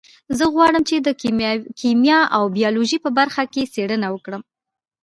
زه غواړم چې د کیمیا او بیولوژي په برخه کې څیړنه وکړم